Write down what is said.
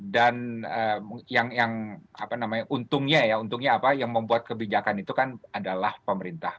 dan untungnya yang membuat kebijakan itu adalah pemerintah